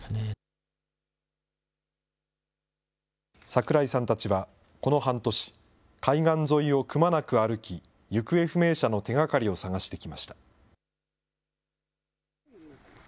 桜井さんたちはこの半年、海岸沿いをくまなく歩き、行方不明者の手がかりを捜してきました。